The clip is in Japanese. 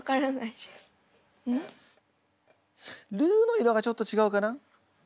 ルーの色がちょっと違うかな？